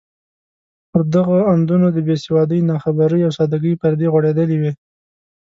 پر دغو اندونو د بې سوادۍ، ناخبرۍ او سادګۍ پردې غوړېدلې وې.